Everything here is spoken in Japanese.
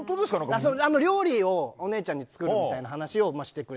料理をお姉ちゃんに作るみたいな。